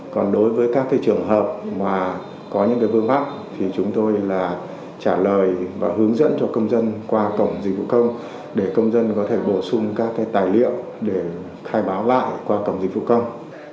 còn đối với các trường hợp mà có những vương mắc thì chúng tôi là trả lời và hướng dẫn cho công dân qua cổng dịch vụ công để công dân có thể bổ sung các tài liệu để khai báo lại qua cổng dịch vụ công